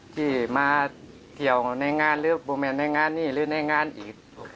ที่มาเที่ยวในงานหรือโปรแมนในงานนี้หรือในงานอีก